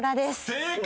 ［正解！